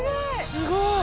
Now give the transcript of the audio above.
すごい！